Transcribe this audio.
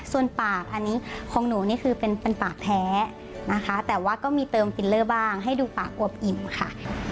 ส่วนปากอันนี้ของหนูนี่คือเป็นปากแท้นะคะแต่ว่าก็มีเติมฟิลเลอร์บ้างให้ดูปากอวบอิ่มค่ะ